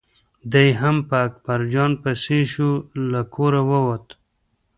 دی هم په اکبر جان پسې شو له کوره ووت.